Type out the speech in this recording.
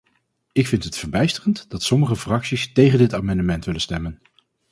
Ik vind het verbijsterend dat sommige fracties tegen dit amendement willen stemmen.